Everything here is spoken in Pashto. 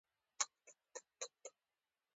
یو تت سیوری یې په خپلو سترګو را خپور کړ.